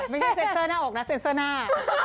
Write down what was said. ไม่ใช่เซ็นเซอร์หน้าอกนะเซ็นเซอร์หน้า